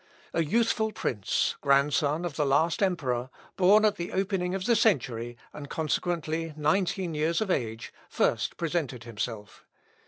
A youthful prince, grandson of the last emperor, born at the opening of the century, and consequently nineteen years of age, first presented himself.